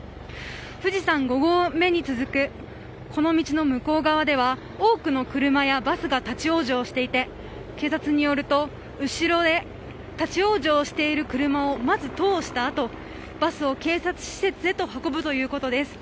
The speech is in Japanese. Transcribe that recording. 富士山５合目に続くこの道の向こう側では多くの車やバスが立ち往生していて警察によると後ろで立ち往生している車をまず通したあと、バスを警察施設へ運ぶということです。